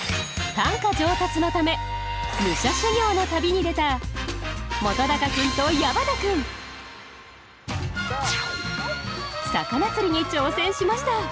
短歌上達のため武者修行の旅に出た本君と矢花君魚釣りに挑戦しました。